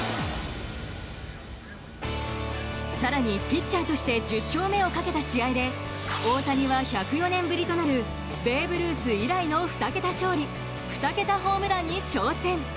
更にピッチャーとして１０勝目をかけた試合で大谷は１０４年ぶりとなるベーブ・ルース以来の２桁勝利２桁ホームランに挑戦。